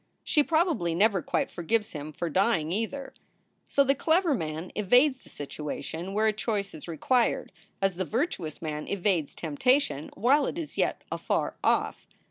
She probably never quite forgives him for dying, either. So the clever man evades the situation where a choice is required, as the virtuous man evades temptation while it is yet afar off.